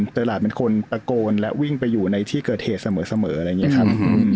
โดยหลานเป็นคนตะโกนและวิ่งไปอยู่ในที่เกิดเหตุเสมออะไรอย่างนี้ครับ